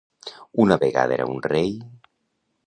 Una vegada era un rei...